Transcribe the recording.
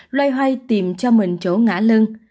loay hoay tìm cho mình chỗ ngã lưng